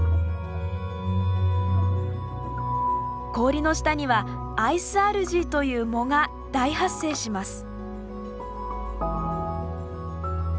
氷の下にはアイスアルジーという藻が大発生します。